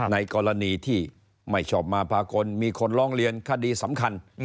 ในกรณีที่ไม่ชอบมาพากลมีคนร้องเรียนคดีสำคัญ